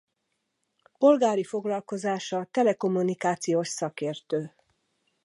Polgári foglalkozása telekommunikációs szakértő.